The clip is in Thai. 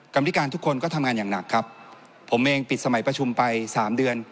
กรรมธิการทุกคนก็ทำงานอย่างหนักครับผมเองปิดสมัยประชุมไปสามเดือน